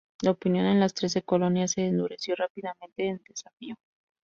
La opinión en las Trece Colonias se endureció rápidamente en desafío.